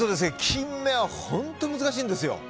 キンメは本当に難しいんですよ。